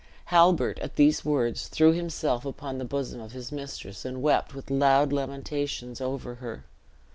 Halbert, at these words, threw himself upon the bosom of his mistress, and wept with loud lamentations over her.